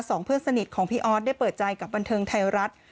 สองเพื่อนสนิทของพี่ออสได้เปิดใจกับบันเทิงไทยรัฐ